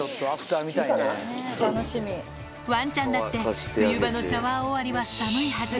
ワンちゃんだって冬場のシャワー終わりは寒いはず